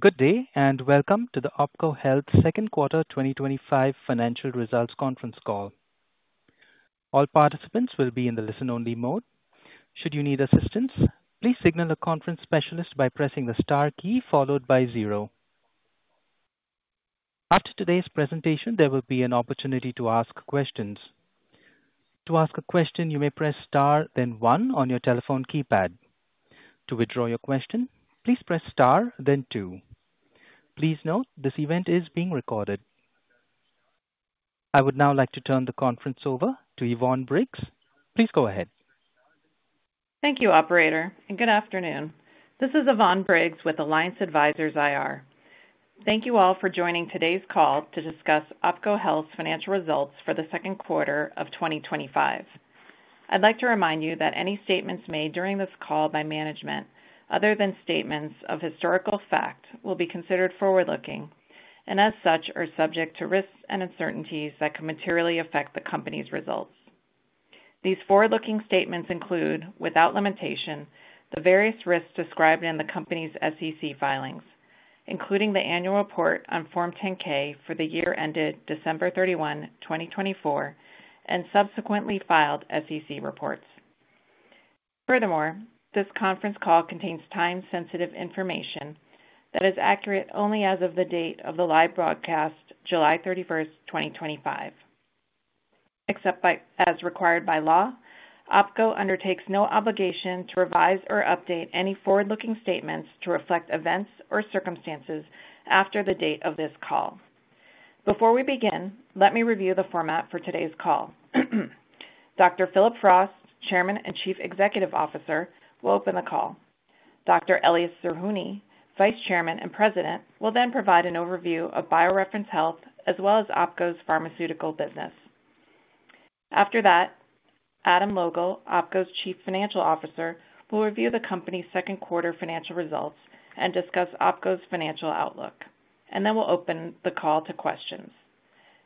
Good day and welcome to the OPKO Health Second Quarter 2025 Financial Results Conference Call. All participants will be in the listen-only mode. Should you need assistance, please signal a conference specialist by pressing the star key followed by zero. After today's presentation, there will be an opportunity to ask questions. To ask a question, you may press star, then one on your telephone keypad. To withdraw your question, please press star, then two. Please note this event is being recorded. I would now like to turn the conference over to Yvonne Briggs. Please go ahead. Thank you, Operator, and good afternoon. This is Yvonne Briggs with Alliance Advisors IR. Thank you all for joining today's call to discuss OPKO Health's financial results for the second quarter of 2025. I'd like to remind you that any statements made during this call by management, other than statements of historical fact, will be considered forward-looking and as such are subject to risks and uncertainties that can materially affect the company's results. These forward-looking statements include, without limitation, the various risks described in the company's SEC filings, including the annual report on Form 10-K for the year ended December 31, 2024, and subsequently filed SEC reports. Furthermore, this conference call contains time-sensitive information that is accurate only as of the date of the live broadcast, July 31, 2025. As required by law, OPKO undertakes no obligation to revise or update any forward-looking statements to reflect events or circumstances after the date of this call. Before we begin, let me review the format for today's call. Dr. Phil Frost, Chairman and Chief Executive Officer, will open the call. Dr. Elias Zerhouni, Vice Chairman and President, will then provide an overview of BioReference Health as well as OPKO's pharmaceutical business. After that, Adam Logal, OPKO's Chief Financial Officer, will review the company's second quarter financial results and discuss OPKO's financial outlook, and then we'll open the call to questions.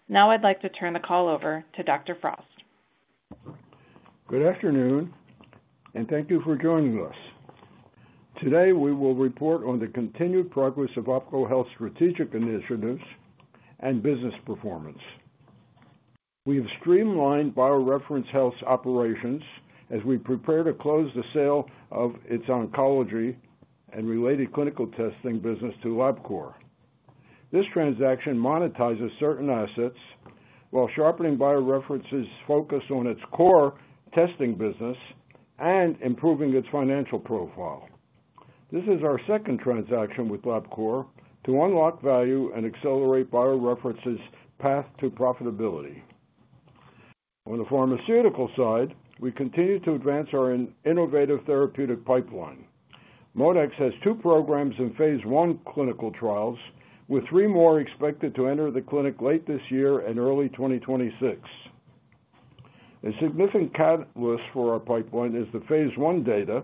Now I'd like to turn the call over to Dr. Frost. Good afternoon, and thank you for joining us. Today, we will report on the continued progress of OPKO Health's strategic initiatives and business performance. We have streamlined BioReference Health's operations as we prepare to close the sale of its oncology and related clinical testing business to Labcorp. This transaction monetizes certain assets while sharpening BioReference Health's focus on its core clinical testing business and improving its financial profile. This is our second transaction with Labcorp to unlock value and accelerate BioReference Health's path to profitability. On the pharmaceutical side, we continue to advance our innovative therapeutic pipeline. MODEX has two programs in phase one clinical trials, with three more expected to enter the clinic late this year and early 2026. A significant catalyst for our pipeline is the phase one data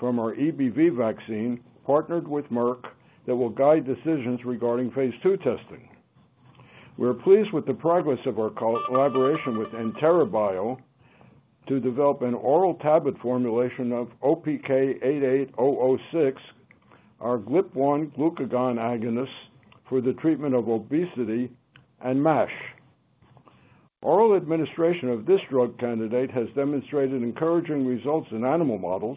from our EBV vaccine partnered with Merck that will guide decisions regarding phase two testing. We are pleased with the progress of our collaboration with Entera Bio to develop an oral tablet formulation of OPK-88006, our GLP-1/glucagon receptor dual agonist for the treatment of obesity and MASH. Oral administration of this drug candidate has demonstrated encouraging results in animal models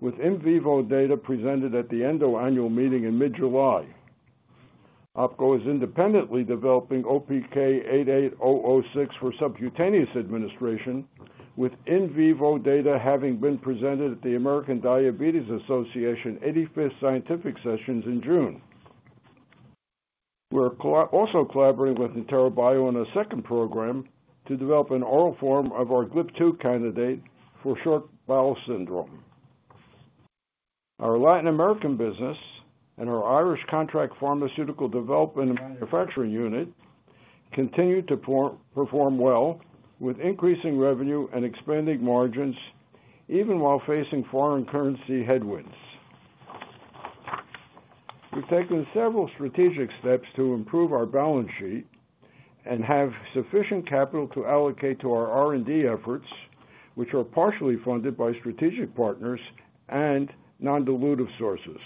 with in vivo data presented at the ENDO Annual Meeting in mid-July. OPKO Health is independently developing OPK-88006 for subcutaneous administration, with in vivo data having been presented at the American Diabetes Association 85th Scientific Sessions in June. We're also collaborating with Entera Bio on a second program to develop an oral form of our GLP-2 oral candidate for short bowel syndrome. Our Latin American business and our Irish contract pharmaceutical development and manufacturing unit continue to perform well with increasing revenue and expanding margins even while facing foreign currency headwinds. We've taken several strategic steps to improve our balance sheet and have sufficient capital to allocate to our R&D efforts, which are partially funded by strategic partners and non-dilutive sources.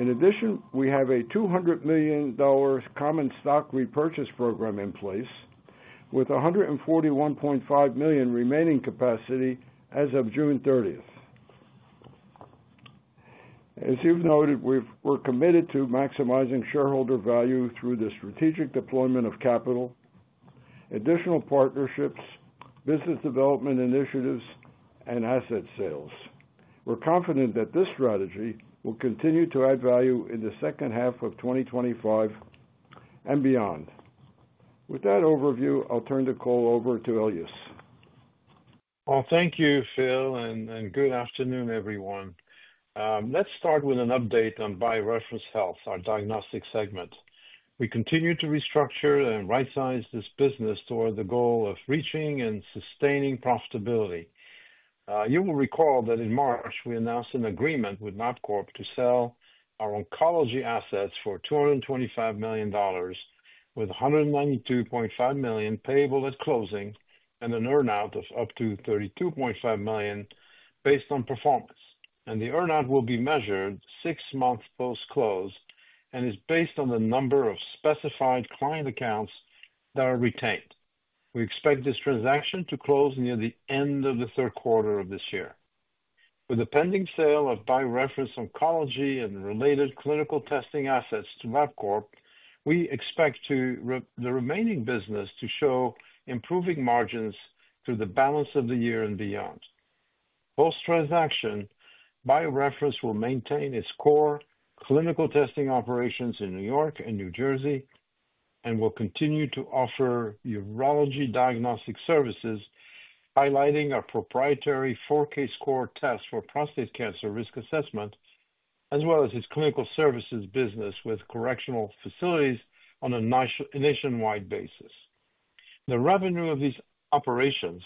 In addition, we have a $200 million common stock repurchase program in place with $141.5 million remaining capacity as of June 30. As you've noted, we're committed to maximizing shareholder value through the strategic deployment of capital, additional partnerships, business development initiatives, and asset sales. We're confident that this strategy will continue to add value in the second half of 2025 and beyond. With that overview, I'll turn the call over to Elias. Thank you, Phil, and good afternoon, everyone. Let's start with an update on BioReference Health, our diagnostic segment. We continue to restructure and right-size this business toward the goal of reaching and sustaining profitability. You will recall that in March, we announced an agreement with Labcorp to sell our oncology assets for $225 million, with $192.5 million payable at closing and an earnout of up to $32.5 million based on performance. The earnout will be measured six months post-close and is based on the number of specified client accounts that are retained. We expect this transaction to close near the end of the third quarter of this year. With the pending sale of BioReference oncology and related clinical testing assets to Labcorp, we expect the remaining business to show improving margins through the balance of the year and beyond. Post-transaction, BioReference will maintain its core clinical testing operations in New York and New Jersey and will continue to offer urology diagnostic services, highlighting our proprietary 4Kscore test for prostate cancer risk assessment, as well as its clinical services business with correctional facilities on a nationwide basis. The revenue of these operations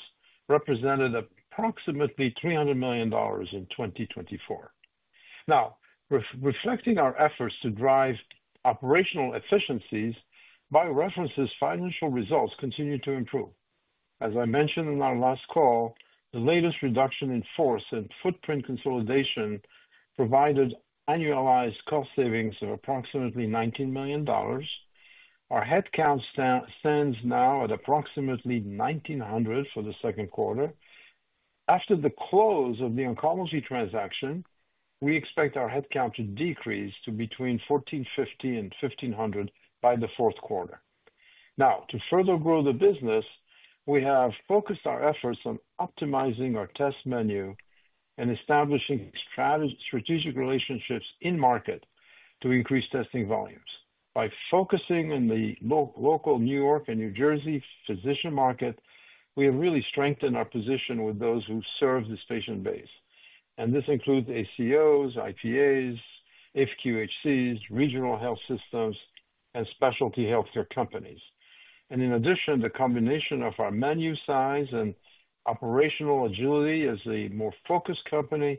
represented approximately $300 million in 2024. Now, reflecting our efforts to drive operational efficiencies, BioReference's financial results continue to improve. As I mentioned in our last call, the latest reduction in force and footprint consolidation provided annualized cost savings of approximately $19 million. Our headcount stands now at approximately 1,900 for the second quarter. After the close of the oncology transaction, we expect our headcount to decrease to between 1,450 and 1,500 by the fourth quarter. To further grow the business, we have focused our efforts on optimizing our test menu and establishing strategic relationships in market to increase testing volumes. By focusing on the local New York and New Jersey physician market, we have really strengthened our position with those who serve this patient base. This includes ACOs, IPAs, FQHCs, regional health systems, and specialty healthcare companies. In addition, the combination of our menu size and operational agility as a more focused company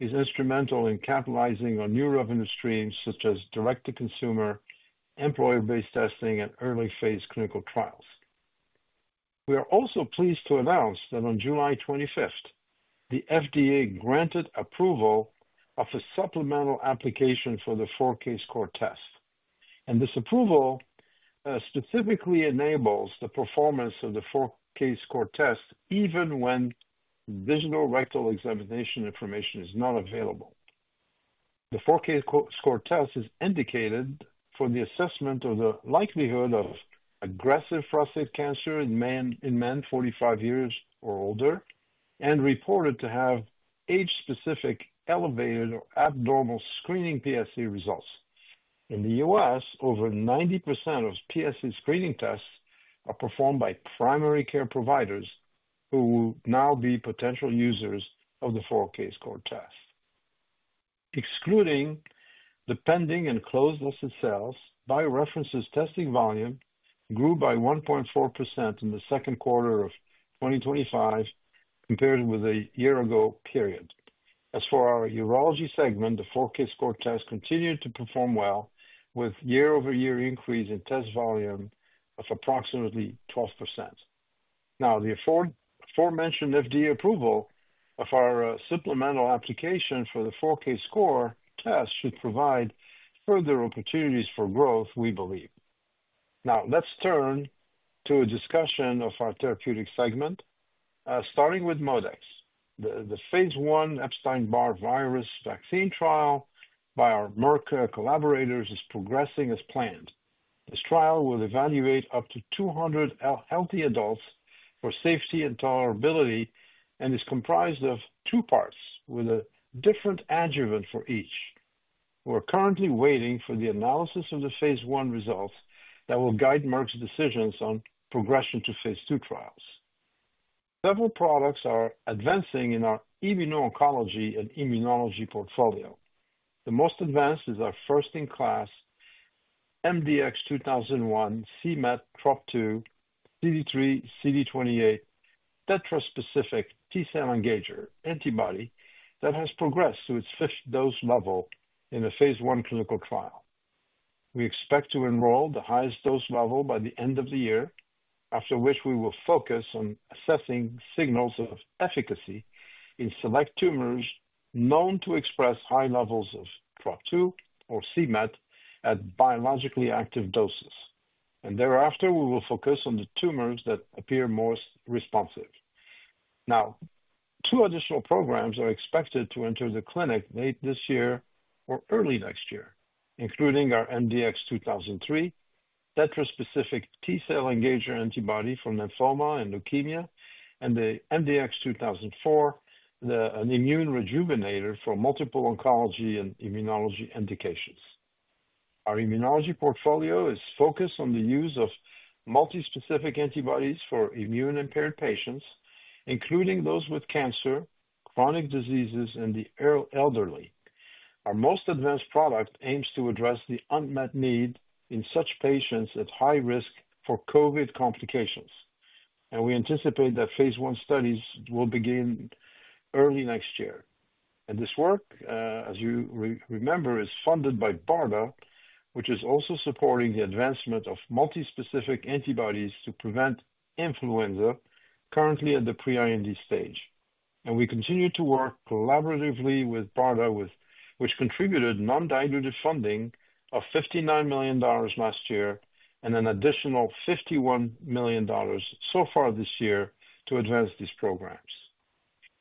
is instrumental in capitalizing on new revenue streams such as direct-to-consumer, employer-based testing, and early-phase clinical trials. We are also pleased to announce that on July 25, the FDA granted approval of a supplemental application for the 4Kscore test. This approval specifically enables the performance of the 4Kscore test even when digital rectal examination information is not available. The 4Kscore test is indicated for the assessment of the likelihood of aggressive prostate cancer in men 45 years or older and reported to have age-specific elevated or abnormal screening PSA results. In the U.S., over 90% of PSA screening tests are performed by primary care providers who will now be potential users of the 4Kscore test. Excluding the pending and closed-listed sales, BioReference Health's testing volume grew by 1.4% in the second quarter of 2025 compared with a year ago period. As for our urology segment, the 4Kscore test continued to perform well with year-over-year increase in test volume of approximately 12%. The aforementioned FDA approval of our supplemental application for the 4Kscore test should provide further opportunities for growth, we believe. Now, let's turn to a discussion of our therapeutic segment, starting with MODEX. The phase I Epstein-Barr virus vaccine trial by our Merck collaborators is progressing as planned. This trial will evaluate up to 200 healthy adults for safety and tolerability and is comprised of two parts with a different adjuvant for each. We're currently waiting for the analysis of the phase one results that will guide Merck's decisions on progression to phase two trials. Several products are advancing in our immuno-oncology and immunology portfolio. The most advanced is our first-in-class MDX2001 CMet-Trop2/CD3-CD288 tetra-specific T-cell engager antibody that has progressed to its fifth dose level in a phase one clinical trial. We expect to enroll the highest dose level by the end of the year, after which we will focus on assessing signals of efficacy in select tumors known to express high levels of TROP2 or CMET at biologically active doses. Thereafter, we will focus on the tumors that appear most responsive. Two additional programs are expected to enter the clinic late this year or early next year, including our MDX2003 tetra-specific T-cell engager antibody for lymphoma and leukemia and the MDX2004, an immune rejuvenator for multiple oncology and immunology indications. Our immunology portfolio is focused on the use of multi-specific antibodies for immune-impaired patients, including those with cancer, chronic diseases, and the elderly. Our most advanced product aims to address the unmet need in such patients at high risk for COVID complications. We anticipate that phase one studies will begin early next year. This work, as you remember, is funded by BARDA, which is also supporting the advancement of multi-specific antibodies to prevent influenza, currently at the pre-IND stage. We continue to work collaboratively with BARDA, which contributed non-dilutive funding of $59 million last year and an additional $51 million so far this year to advance these programs.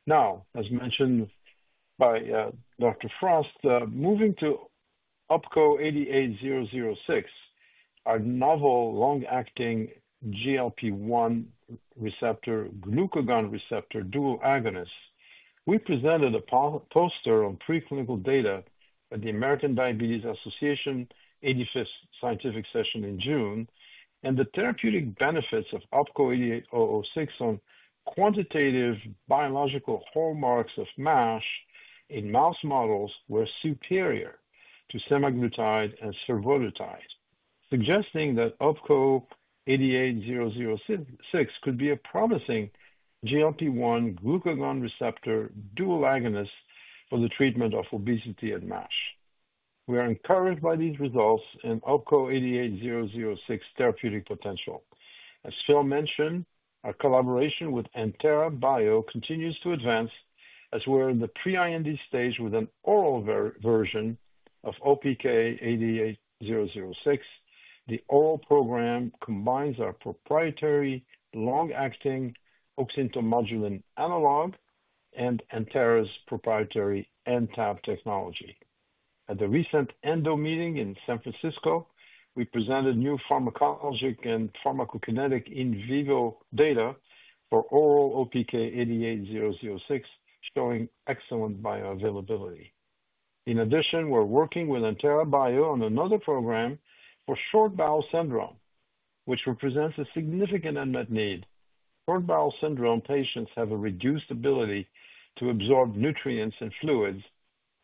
Now, as mentioned by Dr. Frost, moving to OPK-88006, our novel long-acting GLP-1/glucagon receptor dual agonist, we presented a poster on preclinical data at the American Diabetes Association 85th Scientific Session in June, and the therapeutic benefits of OPK-88006 on quantitative biological hallmarks of MASH in mouse models were superior to semaglutide and survodutide, suggesting that OPK-88006 could be a promising GLP-1/glucagon receptor dual agonist for the treatment of obesity and MASH. We are encouraged by these results in OPK-88006 therapeutic potential. As Phil mentioned, our collaboration with Entera Bio continues to advance as we're in the pre-IND stage with an oral version of OPK-88006. The oral program combines our proprietary long-acting oxytocin modulant analog and Entera Bio's proprietary MTAB technology. At the recent ENDO meeting in San Francisco, we presented new pharmacologic and pharmacokinetic in vivo data for oral OPK-88006, showing excellent bioavailability. In addition, we're working with Entera Bio on another program for short bowel syndrome, which represents a significant unmet need. Short bowel syndrome patients have a reduced ability to absorb nutrients and fluids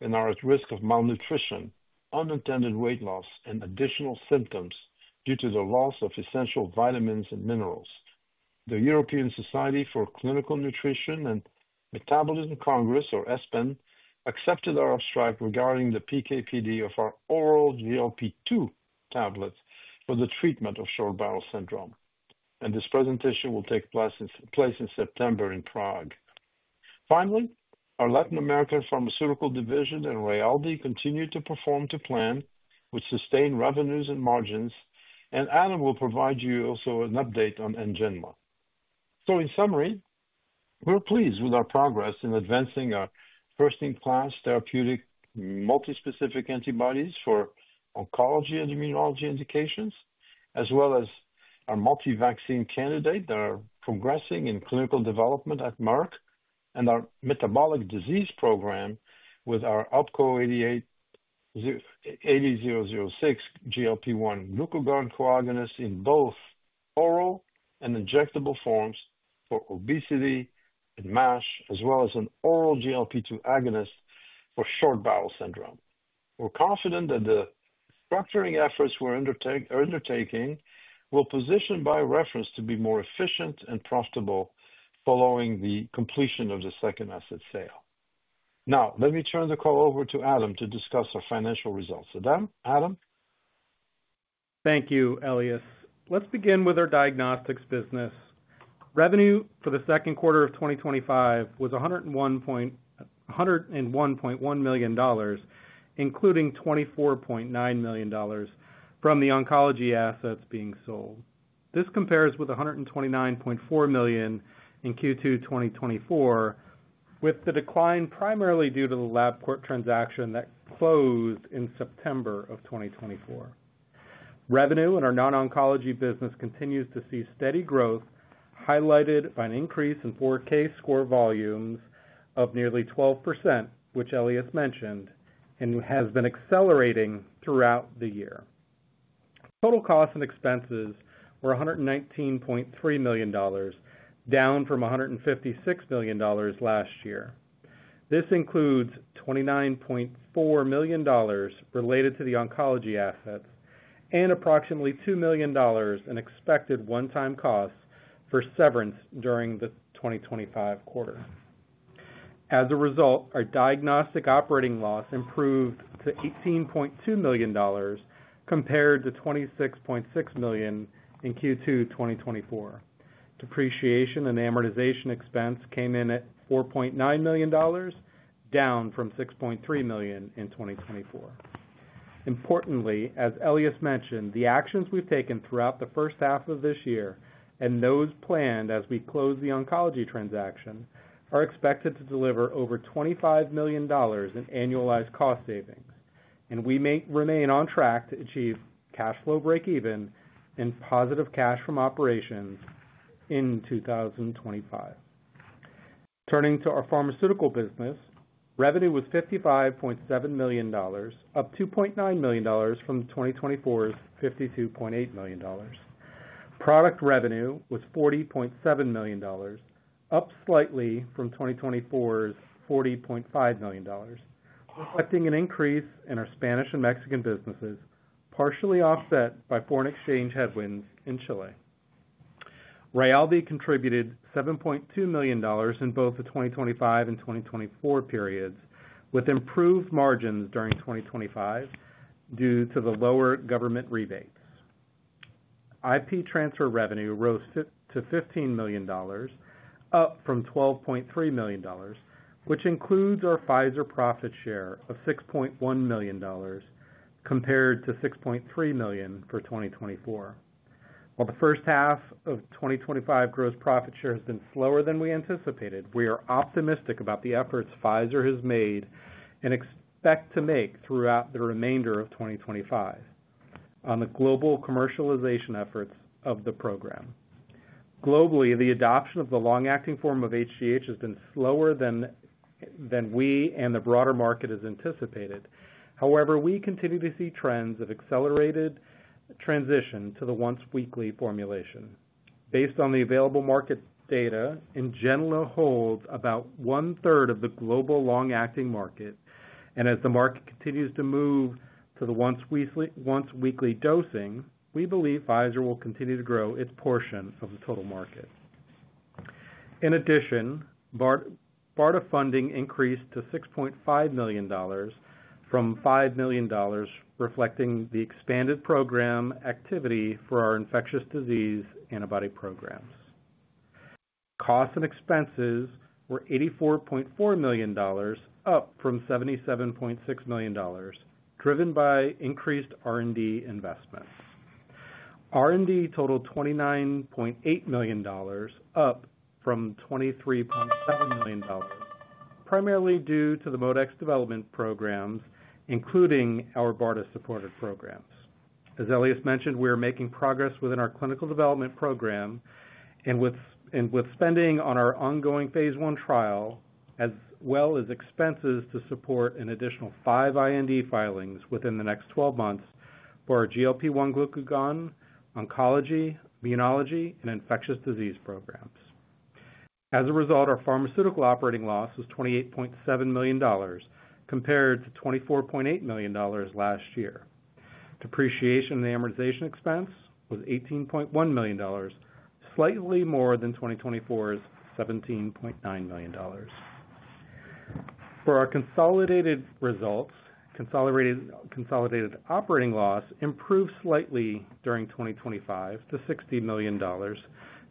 and are at risk of malnutrition, unintended weight loss, and additional symptoms due to the loss of essential vitamins and minerals. The European Society for Clinical Nutrition and Metabolism Congress, or ESPEN, accepted our abstract regarding the PK/PD of our oral GLP-2 tablets for the treatment of short bowel syndrome. This presentation will take place in September in Prague. Finally, our Latin American pharmaceutical division in Realdel continued to perform to plan with sustained revenues and margins, and Adam will provide you also an update on NGENLA. In summary, we're pleased with our progress in advancing our first-in-class therapeutic multi-specific antibodies for oncology and immunology indications, as well as our multi-vaccine candidate that are progressing in clinical development at Merck, and our metabolic disease program with our OPK-88006 GLP-1/glucagon receptor dual agonists in both oral and injectable forms for obesity and MASH, as well as an oral GLP-2 agonist for short bowel syndrome. We're confident that the structuring efforts we're undertaking will position BioReference Health to be more efficient and profitable following the completion of the second asset sale. Now, let me turn the call over to Adam to discuss our financial results. Adam. Thank you, Elias. Let's begin with our diagnostics business. Revenue for the second quarter of 2025 was $101.1 million, including $24.9 million from the oncology assets being sold. This compares with $129.4 million in Q2 2024, with the decline primarily due to the Labcorp transaction that closed in September of 2024. Revenue in our non-oncology business continues to see steady growth, highlighted by an increase in 4Kscore test volumes of nearly 12%, which Elias mentioned, and has been accelerating throughout the year. Total costs and expenses were $119.3 million, down from $156 million last year. This includes $29.4 million related to the oncology assets and approximately $2 million in expected one-time costs for severance during the 2025 quarter. As a result, our diagnostic operating loss improved to $18.2 million compared to $26.6 million in Q2 2024. Depreciation and amortization expense came in at $4.9 million, down from $6.3 million in 2024. Importantly, as Elias mentioned, the actions we've taken throughout the first half of this year and those planned as we close the oncology transaction are expected to deliver over $25 million in annualized cost savings, and we remain on track to achieve cash flow breakeven and positive cash from operations in 2025. Turning to our pharmaceutical business, revenue was $55.7 million, up $2.9 million from 2024's $52.8 million. Product revenue was $40.7 million, up slightly from 2024's $40.5 million, reflecting an increase in our Spanish and Mexican businesses, partially offset by foreign exchange headwinds in Chile. RAYALDEE contributed $7.2 million in both the 2025 and 2024 periods, with improved margins during 2025 due to the lower government rebates. IP transfer revenue rose to $15 million, up from $12.3 million, which includes our Pfizer profit share of $6.1 million compared to $6.3 million for 2024. While the first half of 2025 gross profit share has been slower than we anticipated, we are optimistic about the efforts Pfizer has made and expect to make throughout the remainder of 2025 on the global commercialization efforts of the program. Globally, the adoption of the long-acting form of HGH has been slower than we and the broader market has anticipated. However, we continue to see trends of accelerated transition to the once-weekly formulation. Based on the available market data, NGENLA holds about one-third of the global long-acting market, and as the market continues to move to the once-weekly dosing, we believe Pfizer will continue to grow its portion of the total market. In addition, BARDA funding increased to $6.5 million from $5 million, reflecting the expanded program activity for our infectious disease antibody programs. Costs and expenses were $84.4 million, up from $77.6 million, driven by increased R&D investments. R&D totaled $29.8 million, up from $23.7 million, primarily due to the MODEX development programs, including our BARDA-supported programs. As Elias mentioned, we are making progress within our clinical development program and with spending on our ongoing phase one trial, as well as expenses to support an additional five IND filings within the next 12 months for our GLP-1/glucagon, oncology, immunology, and infectious disease programs. As a result, our pharmaceutical operating loss was $28.7 million, compared to $24.8 million last year. Depreciation and amortization expense was $18.1 million, slightly more than 2024's $17.9 million. For our consolidated results, consolidated operating loss improved slightly during 2025 to $60 million,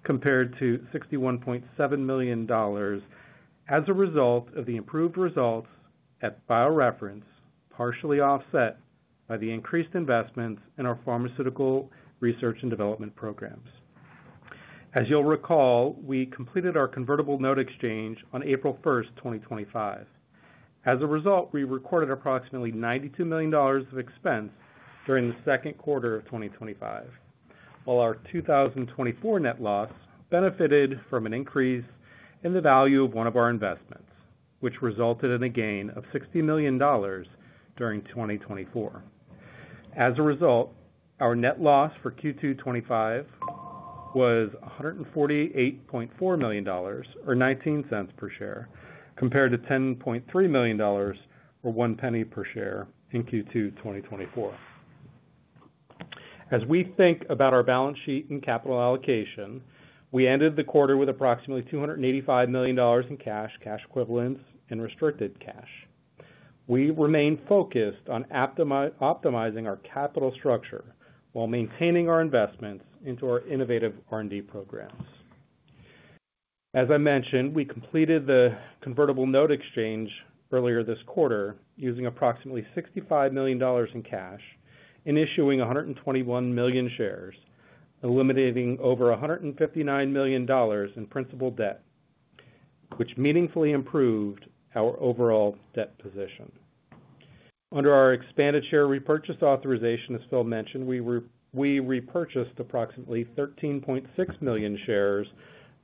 compared to $61.7 million as a result of the improved results at BioReference Health, partially offset by the increased investments in our pharmaceutical research and development programs. As you'll recall, we completed our convertible note exchange on April 1, 2025. As a result, we recorded approximately $92 million of expense during the second quarter of 2025, while our 2024 net loss benefited from an increase in the value of one of our investments, which resulted in a gain of $60 million during 2024. As a result, our net loss for Q2 2025 was $148.4 million, or $0.19 per share, compared to $10.3 million, or $0.01 per share in Q2 2024. As we think about our balance sheet and capital allocation, we ended the quarter with approximately $285 million in cash, cash equivalents, and restricted cash. We remain focused on optimizing our capital structure while maintaining our investments into our innovative R&D programs. As I mentioned, we completed the convertible note exchange earlier this quarter using approximately $65 million in cash and issuing 121 million shares, eliminating over $159 million in principal debt, which meaningfully improved our overall debt position. Under our expanded share repurchase authorization, as Phil mentioned, we repurchased approximately 13.6 million shares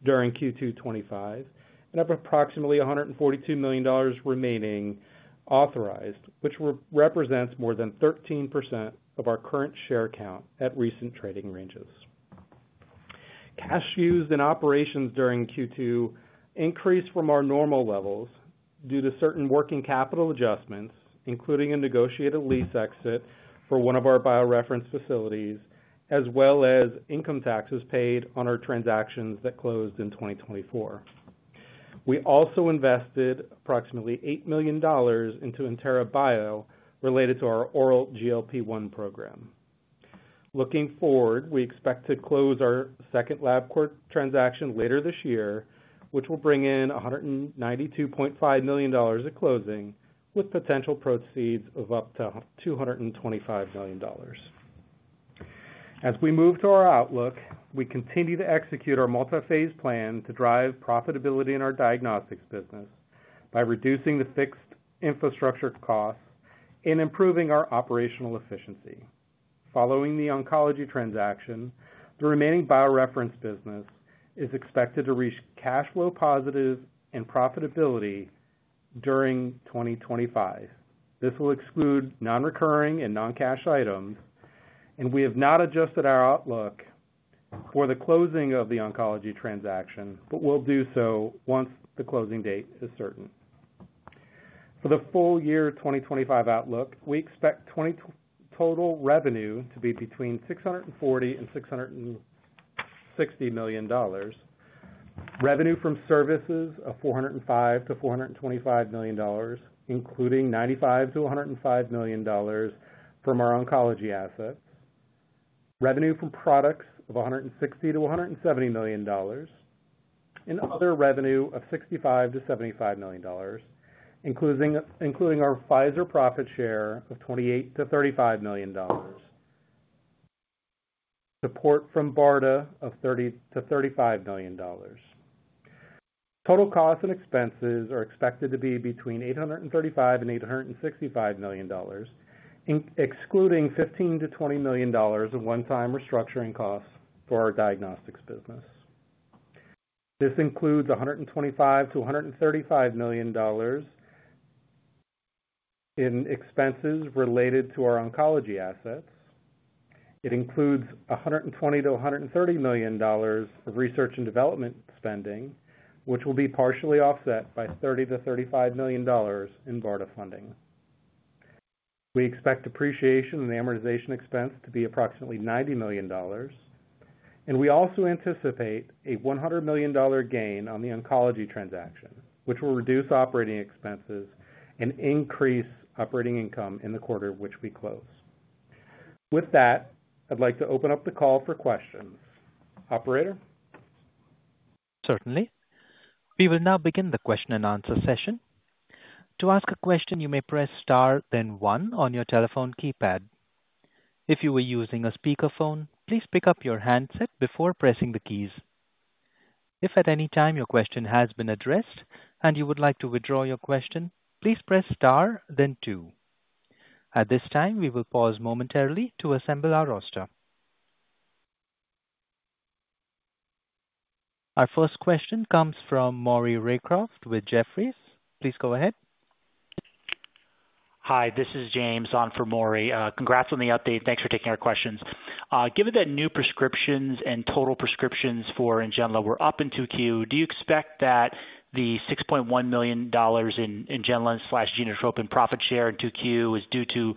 during Q2 2025 and have approximately $142 million remaining authorized, which represents more than 13% of our current share count at recent trading ranges. Cash used in operations during Q2 increased from our normal levels due to certain working capital adjustments, including a negotiated lease exit for one of our BioReference Health facilities, as well as income taxes paid on our transactions that closed in 2024. We also invested approximately $8 million into Entera Bio related to our oral GLP-1 program. Looking forward, we expect to close our second Labcorp transaction later this year, which will bring in $192.5 million at closing, with potential proceeds of up to $225 million. As we move to our outlook, we continue to execute our multi-phase plan to drive profitability in our diagnostics business by reducing the fixed infrastructure costs and improving our operational efficiency. Following the oncology transaction, the remaining BioReference Health business is expected to reach cash flow positive and profitability during 2025. This will exclude non-recurring and non-cash items, and we have not adjusted our outlook for the closing of the oncology transaction, but we'll do so once the closing date is certain. For the full year 2025 outlook, we expect total revenue to be between $640 and $660 million, revenue from services of $405 million-$425 million, including $95 million-$105 million from our oncology assets, revenue from products of $160 million-$170 million, and other revenue of $65 million-$75 million, including our Pfizer profit share of $28 million- $35 million, support from BARDA of $30 million-$35 million. Total costs and expenses are expected to be between $835 and $865 million, excluding $15 million-$20 million of one-time restructuring costs for our diagnostics business. This includes $125 million-$135 million in expenses related to our oncology assets. It includes $120 million-$130 million of research and development spending, which will be partially offset by $30 million-$35 million in BARDA funding. We expect depreciation and amortization expense to be approximately $90 million, and we also anticipate a $100 million gain on the oncology transaction, which will reduce operating expenses and increase operating income in the quarter which we close. With that, I'd like to open up the call for questions. Operator? Certainly. We will now begin the question and answer session. To ask a question, you may press star, then one on your telephone keypad. If you are using a speakerphone, please pick up your handset before pressing the keys. If at any time your question has been addressed and you would like to withdraw your question, please press star, then two. At this time, we will pause momentarily to assemble our roster. Our first question comes from Maury Raycroft with Jefferies. Please go ahead. Hi, this is James on for Maury. Congrats on the update. Thanks for taking our questions. Given that new prescriptions and total prescriptions for NGENLA were up in 2Q, do you expect that the $6.1 million in NGENLA/Genotropin profit share in 2Q is due to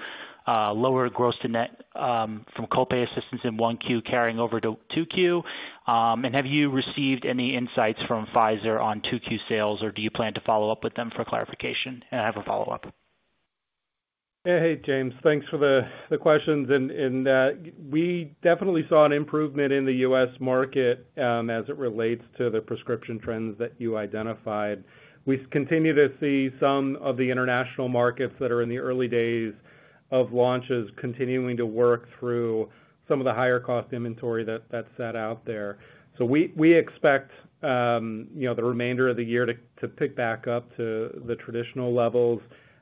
lower gross to net from copay assistance in 1Q carrying over to 2Q? Have you received any insights from Pfizer on 2Q sales, or do you plan to follow up with them for clarification? I have a follow-up. Hey, James. Thanks for the questions. We definitely saw an improvement in the U.S. market as it relates to the prescription trends that you identified. We continue to see some of the international markets that are in the early days of launches continuing to work through some of the higher cost inventory that's set out there. We expect the remainder of the year to pick back up to the traditional levels,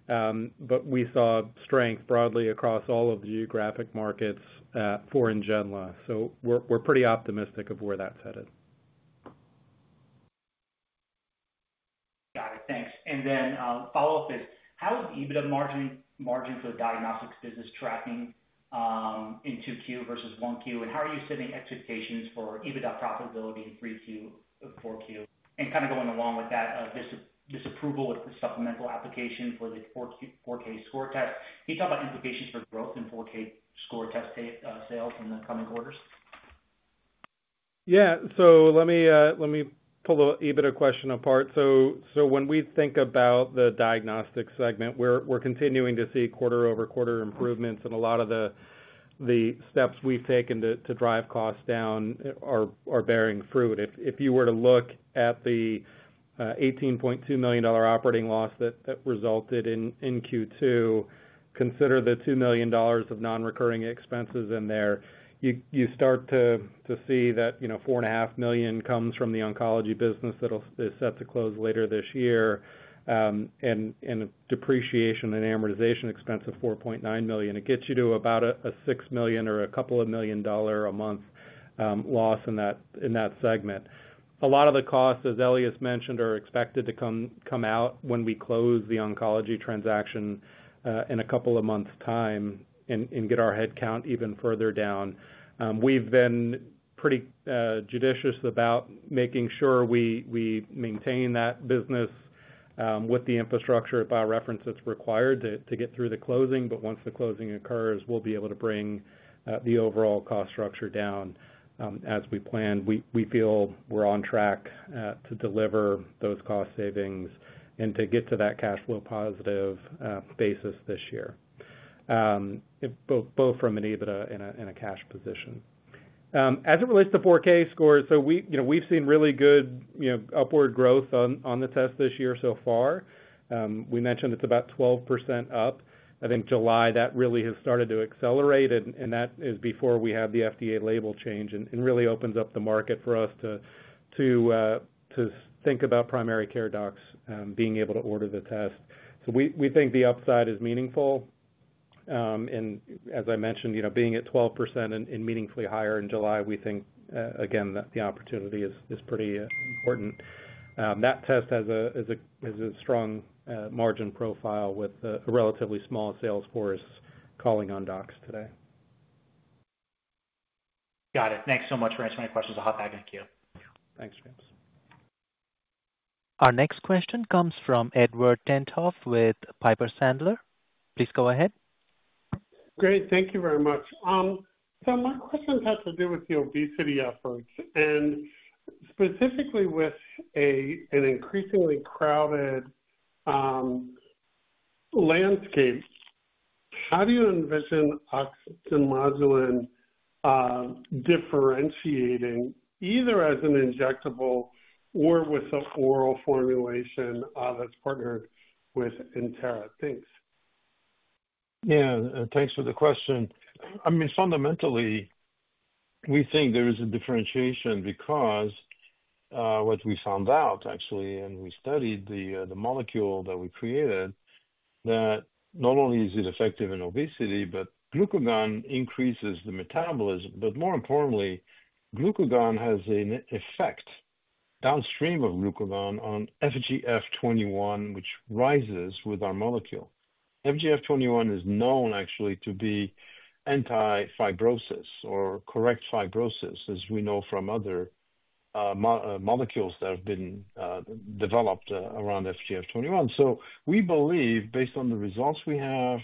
and we saw strength broadly across all of the geographic markets for OPKO Health. We're pretty optimistic of where that's headed. Got it. Thanks. My follow-up is, how is the EBITDA margin for the diagnostics business tracking in 2Q versus 1Q? How are you setting expectations for EBITDA profitability in 3Q and 4Q? Going along with that, this approval for supplemental application for this 4Kscore test, can you talk about implications for growth in 4Kscore test sales in the coming quarters? Yeah. Let me pull the EBITDA question apart. When we think about the diagnostics segment, we're continuing to see quarter-over-quarter improvements, and a lot of the steps we've taken to drive costs down are bearing fruit. If you were to look at the $18.2 million operating loss that resulted in Q2, consider the $2 million of non-recurring expenses in there, you start to see that $4.5 million comes from the oncology business that is set to close later this year and depreciation and amortization expense of $4.9 million. It gets you to about a $6 million or a couple of million dollars a month loss in that segment. A lot of the costs, as Elias mentioned, are expected to come out when we close the oncology transaction in a couple of months' time and get our headcount even further down. We've been pretty judicious about making sure we maintain that business with the infrastructure at BioReference Health that's required to get through the closing. Once the closing occurs, we'll be able to bring the overall cost structure down as we plan. We feel we're on track to deliver those cost savings and to get to that cash flow positive basis this year, both from an EBITDA and a cash position. As it relates to 4Kscore test, we've seen really good upward growth on the test this year so far. We mentioned it's about 12% up. I think July really has started to accelerate, and that is before we have the FDA label change and really opens up the market for us to think about primary care docs being able to order the test. We think the upside is meaningful. As I mentioned, being at 12% and meaningfully higher in July, we think, again, that the opportunity is pretty important. That test has a strong margin profile with a relatively small sales force calling on docs today. Got it. Thanks so much for answering my questions. I'll hop back into queue. Thanks, James. Our next question comes from Edward Tenthoff with Piper Sandler. Please go ahead. Great. Thank you very much. My question has to do with the obesity efforts and specifically with an increasingly crowded landscape. How do you envision oxytocin modulant differentiating either as an injectable or with an oral formulation that's partnered with Entera Bio? Thanks. Yeah, thanks for the question. Fundamentally, we think there is a differentiation because what we found out, actually, and we studied the molecule that we created, that not only is it effective in obesity, but glucagon increases the metabolism. More importantly, glucagon has an effect downstream of glucagon on FGF21, which rises with our molecule. FGF21 is known actually to be anti-fibrotic or correct fibrosis, as we know from other molecules that have been developed around FGF21. We believe, based on the results we have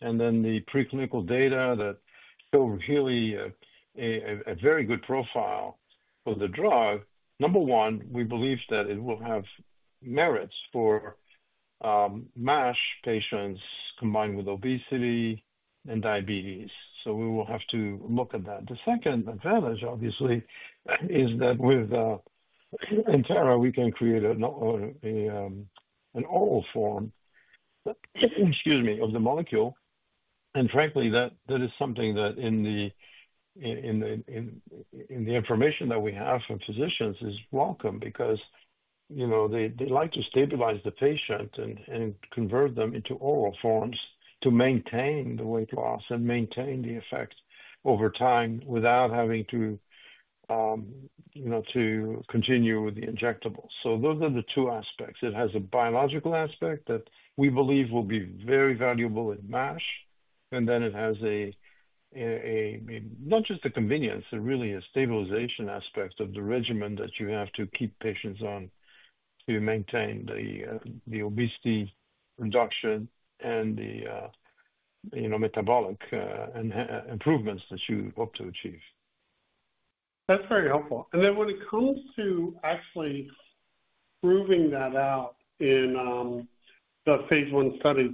and the preclinical data that show really a very good profile for the drug, number one, we believe that it will have merits for MASH patients combined with obesity and diabetes. We will have to look at that. The second advantage, obviously, is that with Entera, we can create an oral form, excuse me, of the molecule. Frankly, that is something that in the information that we have from physicians is welcome because they like to stabilize the patient and convert them into oral forms to maintain the weight loss and maintain the effect over time without having to continue with the injectables. Those are the two aspects. It has a biological aspect that we believe will be very valuable in MASH. It has not just a convenience, but really a stabilization aspect of the regimen that you have to keep patients on to maintain the obesity reduction and the metabolic improvements that you hope to achieve. That's very helpful. When it comes to actually proving that out in the phase one studies,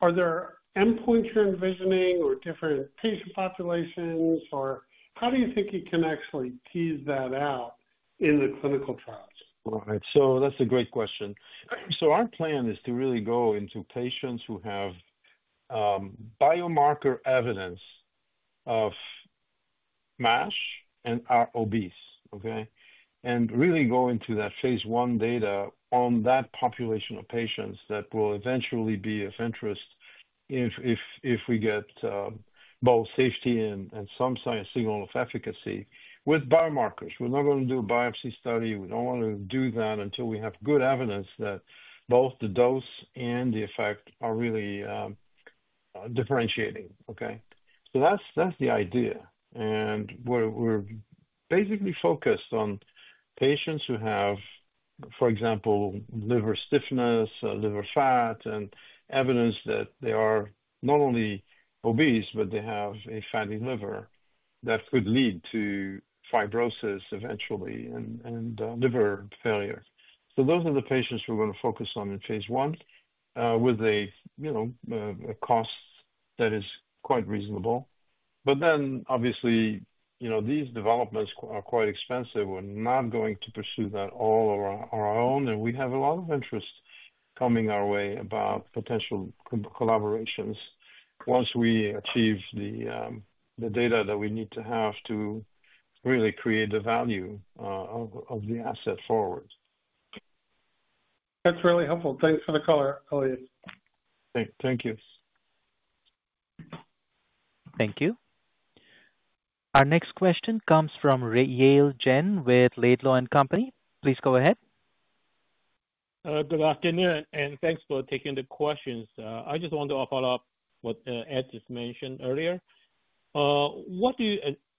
are there endpoints you're envisioning or different patient populations? How do you think you can actually tease that out in the clinical trials? All right. That's a great question. Our plan is to really go into patients who have biomarker evidence of MASH and are obese, and really go into that phase one data on that population of patients that will eventually be of interest if we get both safety and some sign of signal of efficacy with biomarkers. We're not going to do a biopsy study. We don't want to do that until we have good evidence that both the dose and the effect are really differentiating. That's the idea. We're basically focused on patients who have, for example, liver stiffness, liver fat, and evidence that they are not only obese, but they have a fatty liver that could lead to fibrosis eventually and liver failure. Those are the patients we're going to focus on in phase one with a cost that is quite reasonable. Obviously, you know these developments are quite expensive. We're not going to pursue that all on our own, and we have a lot of interest coming our way about potential collaborations once we achieve the data that we need to have to really create the value of the asset forward. That's really helpful. Thanks for the call, Elias. Thank you. Thank you. Our next question comes from Yale Jen with Laidlaw and Company. Please go ahead. Good afternoon, and thanks for taking the questions. I just want to follow up what Ed just mentioned earlier.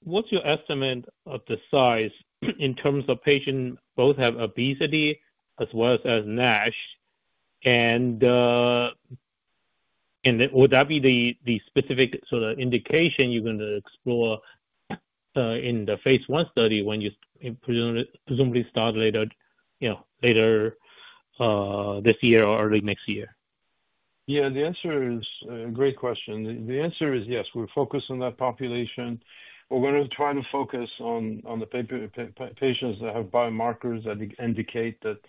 What's your estimate of the size in terms of patients both have obesity as well as MASH? Would that be the specific sort of indication you're going to explore in the phase one study when you presumably start later this year or early next year? Yeah, that is a great question. The answer is yes. We're focused on that population. We're going to try to focus on the patients that have biomarkers that indicate that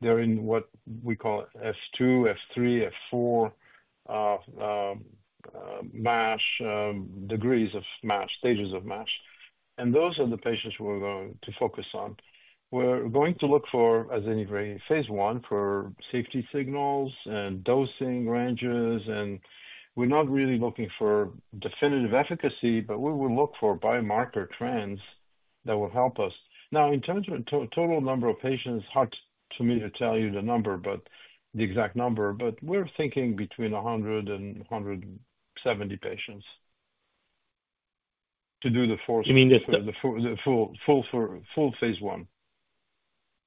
they're in what we call F2, F3, F4 MASH, stages of MASH. Those are the patients we're going to focus on. We're going to look for, as in phase one, safety signals and dosing ranges. We're not really looking for definitive efficacy, but we will look for biomarker trends that will help us. Now, in terms of total number of patients, it's hard for me to tell you the exact number, but we're thinking between 100 and 170 patients to do the full phase one.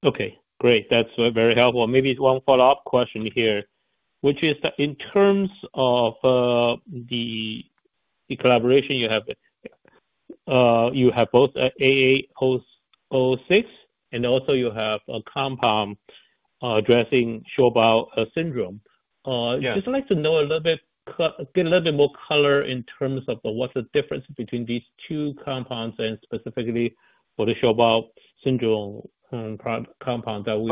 Okay. Great. That's very helpful. Maybe one follow-up question here, which is that in terms of the collaboration you have, you have both OPK-88006 and also you have a compound addressing short bowel syndrome. I'd just like to know a little bit, get a little bit more color in terms of what's the difference between these two compounds and specifically for the short bowel syndrome compound that we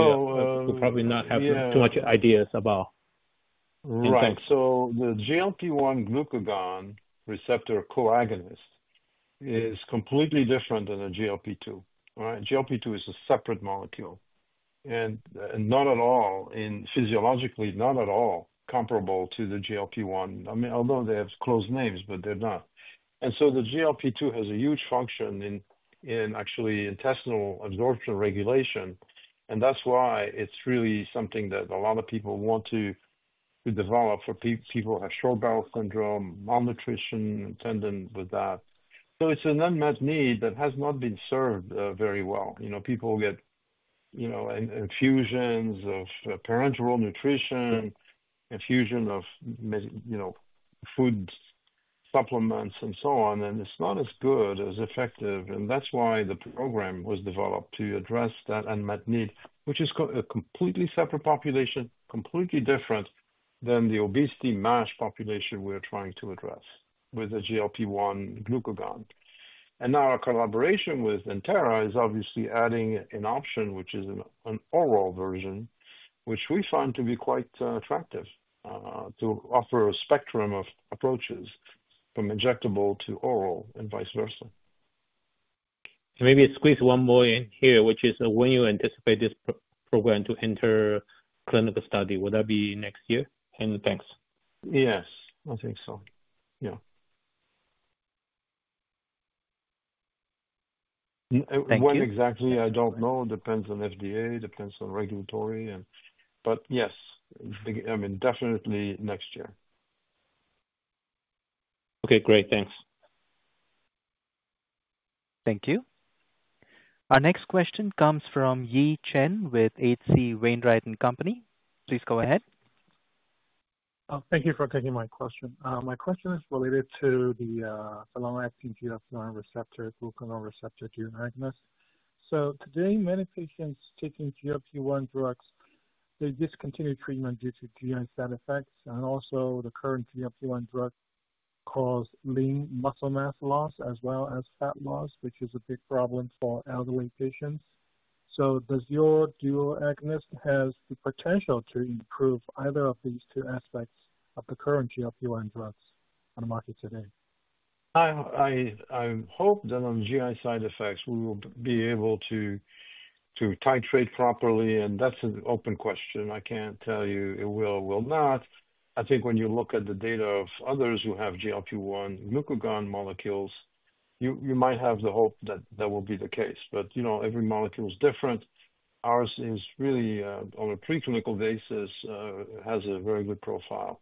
probably not have too much ideas about. Right. The GLP-1/glucagon receptor dual agonist is completely different than the GLP-2. GLP-2 is a separate molecule and not at all, physiologically, not at all comparable to the GLP-1. I mean, although they have close names, they're not. The GLP-2 has a huge function in actually intestinal absorption regulation. That's why it's really something that a lot of people want to develop for people who have short bowel syndrome, malnutrition attendant with that. It's an unmet need that has not been served very well. People get infusions of parenteral nutrition, infusion of food supplements, and so on. It's not as good, as effective. That's why the program was developed to address that unmet need, which is a completely separate population, completely different than the obesity MASH population we're trying to address with the GLP-1/glucagon. Our collaboration with Entera is obviously adding an option, which is an oral version, which we find to be quite attractive, to offer a spectrum of approaches from injectable to oral and vice versa. Maybe squeeze one more in here, which is when you anticipate this program to enter clinical study. Would that be next year? Thanks. Yes, I think so. When exactly, I don't know. It depends on FDA. It depends on regulatory. Yes, I mean, definitely next year. Okay. Great. Thanks. Thank you. Our next question comes from Yi Chen with HC Wainwright and Company. Please go ahead. Thank you for taking my question. My question is related to the long-acting GLP-1/glucagon receptor dual agonist. Today, many patients taking GLP-1 drugs discontinue treatment due to GI side effects, and also the current GLP-1 drugs cause lean muscle mass loss as well as fat loss, which is a big problem for elderly patients. Does your dual agonist have the potential to improve either of these two aspects of the current GLP-1 drugs on the market today? I hope that on GI side effects, we will be able to titrate properly. That's an open question. I can't tell you it will or will not. I think when you look at the data of others who have GLP-1/glucagon molecules, you might have the hope that that will be the case. You know every molecule is different. Ours is really, on a preclinical basis, has a very good profile.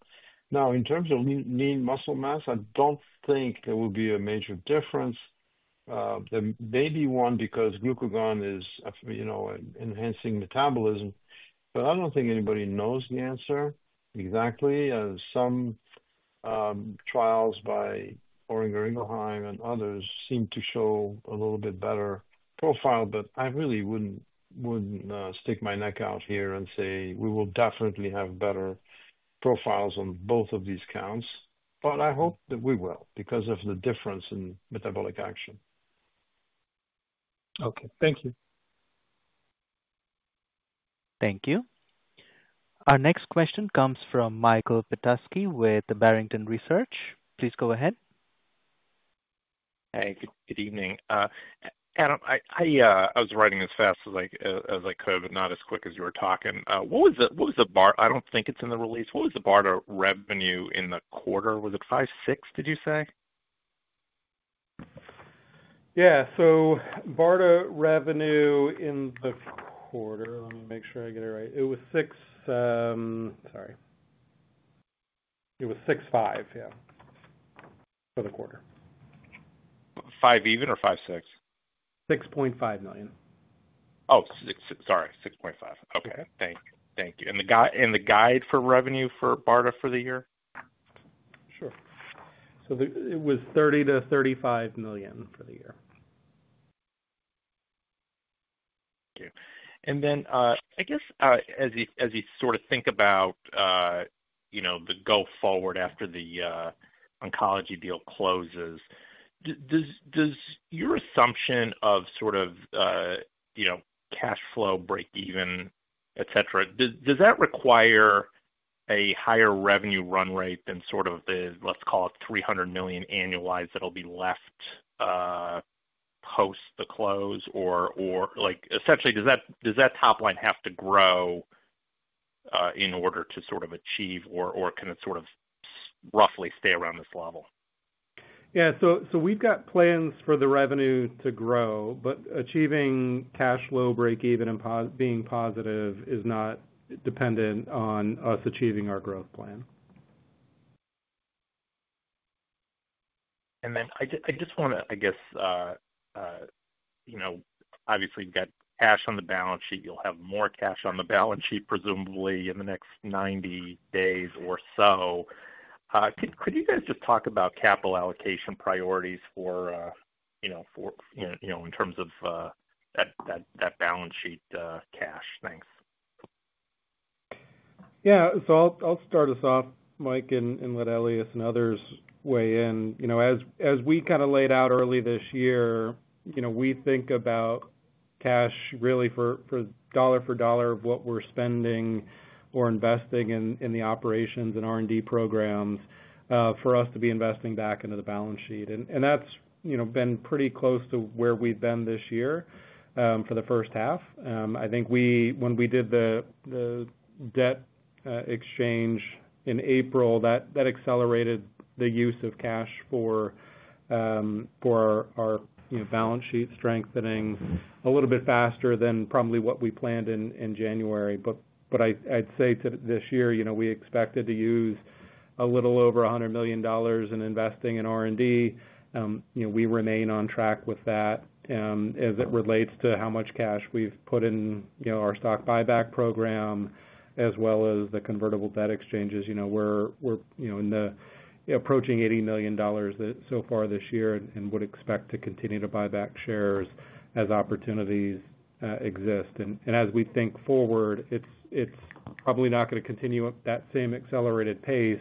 Now, in terms of lean muscle mass, I don't think there will be a major difference. There may be one because glucagon is, you know, enhancing metabolism. I don't think anybody knows the answer exactly. Some trials by Boehringer Ingelheim and others seem to show a little bit better profile. I really wouldn't stick my neck out here and say we will definitely have better profiles on both of these counts. I hope that we will because of the difference in metabolic action. Okay, thank you. Thank you. Our next question comes from Michael Petusky with Barrington Research. Please go ahead. Hey, good evening. Adam, I was writing as fast as I could, but not as quick as you were talking. What was the, I don't think it's in the release. What was the BARDA revenue in the quarter? Was it $5 million, $6 million, did you say? Yeah. BARDA revenue in the quarter, let me make sure I get it right. It was $6.5 million for the quarter. 5 even or 5.6? 6.5 million. Oh, it's 6. Sorry, 6.5. Okay. Thank you. The guide for revenue for BARDA for the year? Sure. It was $30 million-$35 million for the year. Thank you. As you sort of think about the go forward after the oncology deal closes, does your assumption of cash flow break-even, etc., require a higher revenue run rate than the, let's call it, $300 million annualized that'll be left post the close? Essentially, does that top line have to grow in order to achieve, or can it roughly stay around this level? We have plans for the revenue to grow, but achieving cash flow break-even and being positive is not dependent on us achieving our growth plan. I just want to, I guess, you know, obviously, you've got cash on the balance sheet. You'll have more cash on the balance sheet, presumably, in the next 90 days or so. Could you guys just talk about capital allocation priorities for, you know, in terms of that balance sheet cash? Thanks. Yeah. I'll start us off, Mike, and let Elias and others weigh in. As we kind of laid out early this year, we think about cash really for dollar for dollar of what we're spending or investing in the operations and R&D programs for us to be investing back into the balance sheet. That's been pretty close to where we've been this year for the first half. I think when we did the debt exchange in April, that accelerated the use of cash for our balance sheet strengthening a little bit faster than probably what we planned in January. I'd say this year, we expected to use a little over $100 million in investing in R&D. We remain on track with that as it relates to how much cash we've put in our stock buyback program, as well as the convertible debt exchanges. We're approaching $80 million so far this year and would expect to continue to buy back shares as opportunities exist. As we think forward, it's probably not going to continue at that same accelerated pace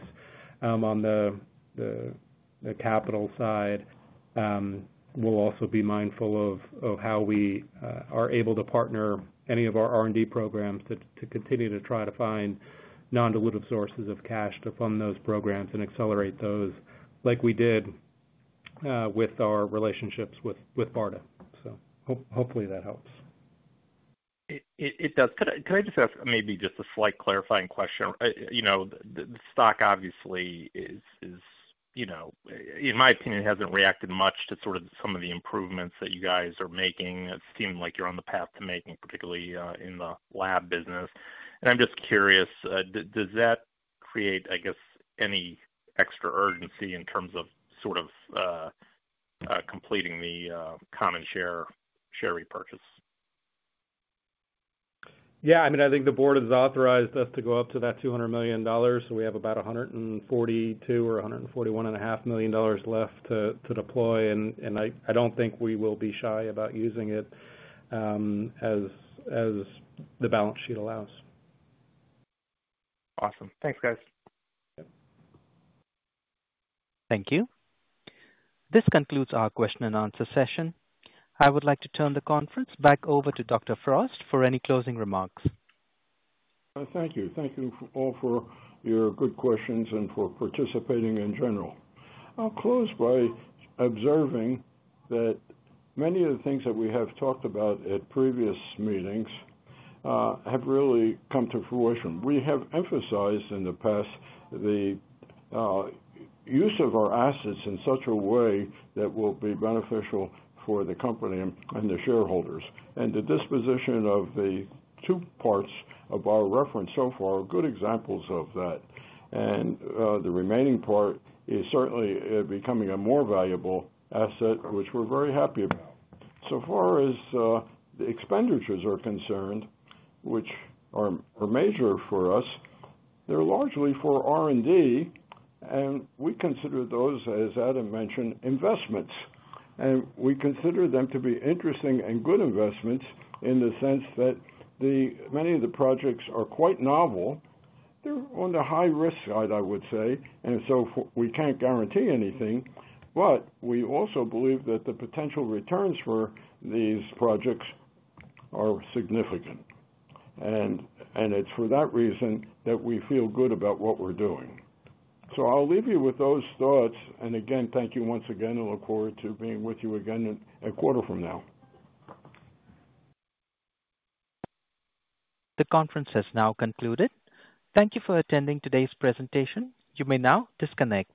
on the capital side. We'll also be mindful of how we are able to partner any of our R&D programs to continue to try to find non-dilutive sources of cash to fund those programs and accelerate those like we did with our relationships with BARDA. Hopefully, that helps. Could I just ask maybe a slight clarifying question? You know, the stock obviously is, in my opinion, it hasn't reacted much to some of the improvements that you guys are making. It seems like you're on the path to making, particularly in the lab business. I'm just curious, does that create any extra urgency in terms of completing the common share repurchase? I think the board has authorized us to go up to that $200 million. We have about $142 million or $141.5 million left to deploy. I don't think we will be shy about using it as the balance sheet allows. Awesome. Thanks, guys. Thank you. This concludes our question and answer session. I would like to turn the conference back over to Dr. Phillip Frost for any closing remarks. Thank you. Thank you all for your good questions and for participating in general. I'll close by observing that many of the things that we have talked about at previous meetings have really come to fruition. We have emphasized in the past the use of our assets in such a way that will be beneficial for the company and the shareholders. The disposition of the two parts of our reference so far are good examples of that. The remaining part is certainly becoming a more valuable asset, which we're very happy about. As far as the expenditures are concerned, which are major for us, they're largely for R&D. We consider those, as Adam mentioned, investments. We consider them to be interesting and good investments in the sense that many of the projects are quite novel. They're on the high-risk side, I would say. We can't guarantee anything. We also believe that the potential returns for these projects are significant. It's for that reason that we feel good about what we're doing. I'll leave you with those thoughts. Thank you once again and look forward to being with you again a quarter from now. The conference has now concluded. Thank you for attending today's presentation. You may now disconnect.